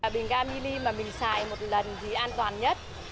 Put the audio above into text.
bình ga mini mà mình xài một lần thì an toàn nhất